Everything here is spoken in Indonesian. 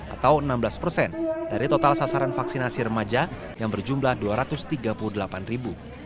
atau enam belas persen dari total sasaran vaksinasi remaja yang berjumlah dua ratus tiga puluh delapan ribu